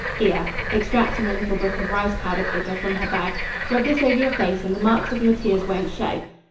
Here," extracting a little book of rice powder paper from her bag, "rub this over your face and the marks of your tears won't show."